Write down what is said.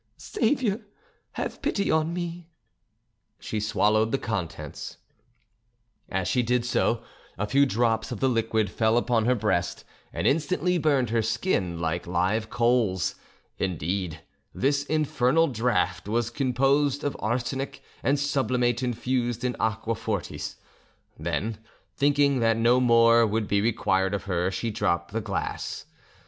Saviour! have pity on me!" she swallowed the contents. As she did so a few drops of the liquid fell upon her breast, and instantly burned her skin like live coals; indeed, this infernal draught was composed of arsenic and sublimate infused in aqua fortis; then, thinking that no more would be required of her, she dropped the glass.